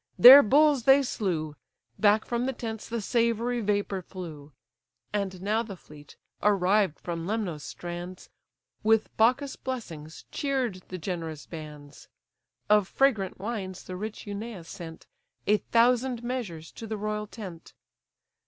Their bulls they slew; Back from the tents the savoury vapour flew. And now the fleet, arrived from Lemnos' strands, With Bacchus' blessings cheered the generous bands. Of fragrant wines the rich Eunaeus sent A thousant measures to the royal tent.